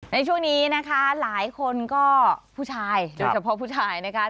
ในช่วงนี้นะคะหลายคนก็ผู้ชายโดยเฉพาะผู้ชายนะคะ